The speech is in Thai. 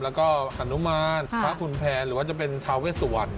แล้วก็ฮานุมารพระขุนแผนหรือว่าจะเป็นทาเวสวร